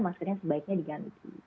maskernya sebaiknya diganti